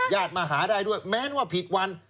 มาหาได้ด้วยแม้ว่าผิดวัน